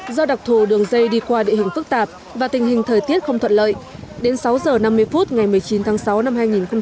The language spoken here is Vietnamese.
do đặc thù đường dây đi qua địa hình phức tạp và tình hình thời tiết không thuận lợi đến sáu h năm mươi phút ngày một mươi chín tháng sáu năm hai nghìn hai mươi